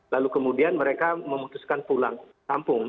lalu kemudian mereka memutuskan pulang kampung